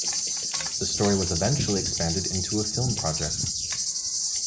The story was eventually expanded into a film project.